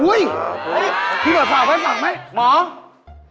อุ๊ยพี่หมอสาวไปสั่งไหมหมออุ๊ย